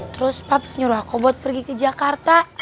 terus pups nyuruh aku buat pergi ke jakarta